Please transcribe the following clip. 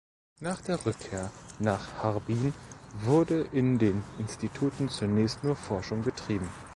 Nach der Rückkehr nach Harbin wurde in den Instituten zunächst nur Forschung betrieben.